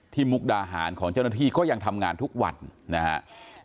มุกดาหารของเจ้าหน้าที่ก็ยังทำงานทุกวันนะครับ